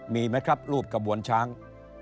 มีไหมครับรูปกระบวนช้าง